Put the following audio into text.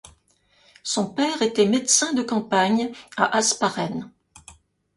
Son père était médecin de campagne à Hasparren.